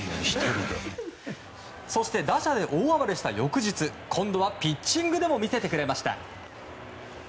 そして打者で大暴れした翌日今度はピッチングでも見せてくれました。